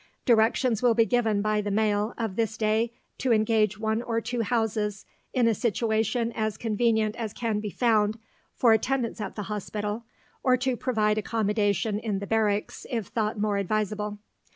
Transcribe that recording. Directions will be given by the mail of this day to engage one or two houses in a situation as convenient as can be found for attendance at the Hospital, or to provide accommodation in the Barracks if thought more advisable.